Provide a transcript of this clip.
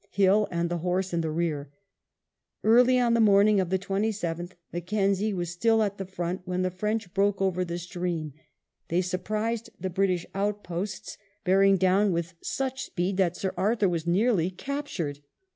Hill and the horse in the rear. Early on the morning of the 27th, Mac kenzie was still at the front when the French broke over the stream; they surprised the British outposts, bear ing down with such speed that Sir Arthur was nearly captured.